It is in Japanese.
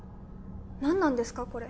何なんですかこれ？